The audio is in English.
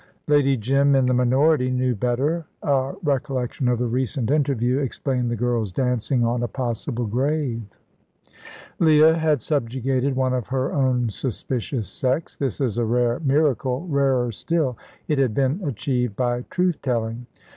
Lady Jim, in the minority, knew better. A recollection of the recent interview explained the girl's dancing on a possible grave. Leah had subjugated one of her own suspicious sex. This is a rare miracle; rarer still, it had been achieved by truth telling.